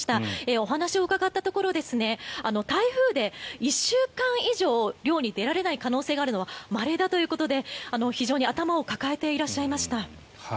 お話を伺ったところ台風で１週間以上漁に出られない可能性があるのはまれだということで非常に頭を抱えていらっしゃいました。